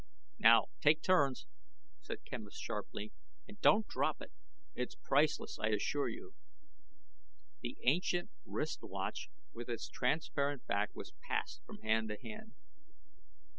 "Now, take turns," said Quemos sharply, "and don't drop it. It's priceless, I assure you." The ancient wrist watch with its transparent back was passed from hand to hand.